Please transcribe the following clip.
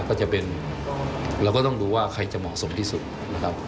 ก็จะเป็นเราก็ต้องดูว่าใครจะเหมาะสมที่สุดนะครับ